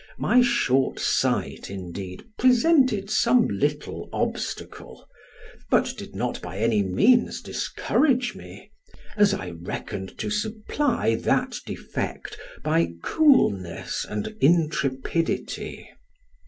My short sight, indeed, presented some little obstacle, but did not by any means discourage me, as I reckoned to supply that defect by coolness and intrepidity.